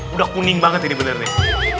udah kuning banget ini benar nih